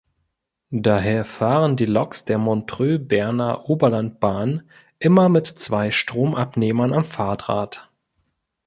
Daher fahren die Loks der Montreux–Berner Oberland-Bahn immer mit zwei Stromabnehmern am Fahrdraht.